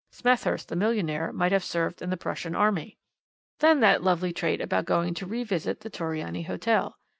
Smethurst, the millionaire, might have served in the Prussian army. "Then that lovely trait about going to revisit the Torriani Hotel.